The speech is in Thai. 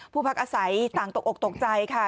พักอาศัยต่างตกอกตกใจค่ะ